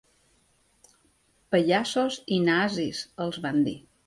Pallassos’ i ‘nazis’, els van dir.